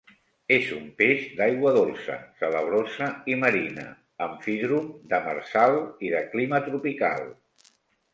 És un peix d'aigua dolça, salabrosa i marina; amfídrom, demersal i de clima tropical.